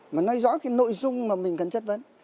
mà nói rõ cái nội dung mà mình cần chất vấn